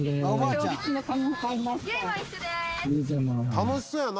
楽しそうやな。